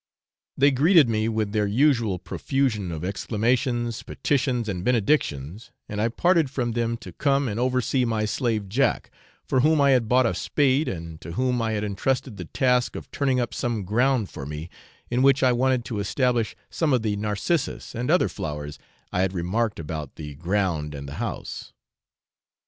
They greeted me with their usual profusion of exclamations, petitions, and benedictions, and I parted from them to come and oversee my slave Jack, for whom I had bought a spade, and to whom I had entrusted the task of turning up some ground for me, in which I wanted to establish some of the Narcissus and other flowers I had remarked about the ground and the house.